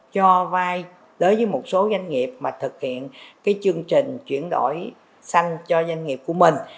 cho vai đối với một số doanh nghiệp thực hiện chương trình chuyển đổi sanh cho doanh nghiệp của mình